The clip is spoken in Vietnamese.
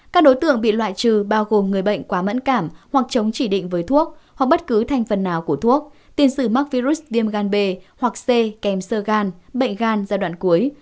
các đối tượng bị loại trừ bao gồm người bệnh quá mẫn cảm hoặc chống chỉ định với thuốc hoặc bất cứ thành phần nào của thuốc tiền sử mắc virus viêm gan b hoặc c kèm sơ gan bệnh gan giai đoạn cuối